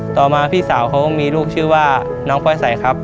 ต่อมาพี่สาวเขามีลูกชื่อว่าน้องพลอยใสครับ